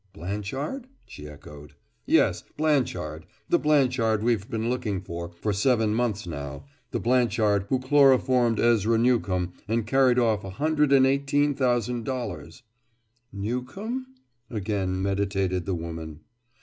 "Blanchard?" she echoed. "Yes, Blanchard, the Blanchard we've been looking for, for seven months now, the Blanchard who chloroformed Ezra Newcomb and carried off a hundred and eighteen thousand dollars." "Newcomb?" again meditated the woman.